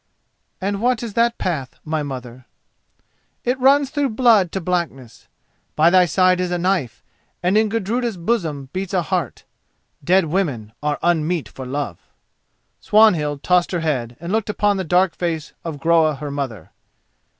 "And what is that path, my mother?" "It runs through blood to blackness. By thy side is a knife and in Gudruda's bosom beats a heart. Dead women are unmeet for love!" Swanhild tossed her head and looked upon the dark face of Groa her mother.